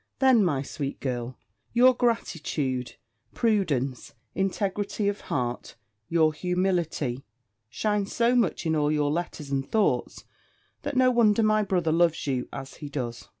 Then, my sweet girl, your gratitude, prudence, integrity of heart, your humility, shine so much in all your letters and thoughts, that no wonder my brother loves you as he does.